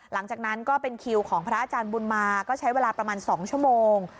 หลังจากนั้นก็เป็นคิวของพระอาจารย์บุญมาก็ใช้เวลาประมาณ๒ชั่วโมง